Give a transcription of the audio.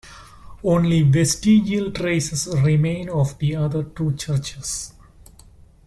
Only vestigial traces remain of the other two churches.